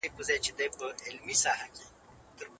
حکومتي فساد د هېواد اقتصادي پرمختګ څنګه ورو کوي؟